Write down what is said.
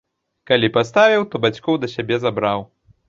Калі паставіў, то бацькоў да сябе забраў.